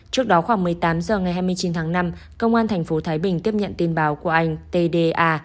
trước đó khoảng một mươi tám h ngày hai mươi chín tháng năm công an thành phố thái bình tiếp nhận tin báo của anh tda